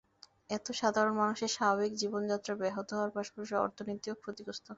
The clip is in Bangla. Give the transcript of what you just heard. এতে সাধারণ মানুষের স্বাভাবিক জীবনযাত্রা ব্যাহত হওয়ার পাশাপাশি অর্থনীতিও ক্ষতিগ্রস্ত হচ্ছে।